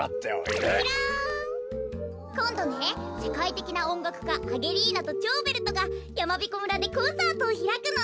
こんどねせかいてきなおんがくかアゲリーナとチョーベルトがやまびこ村でコンサートをひらくの！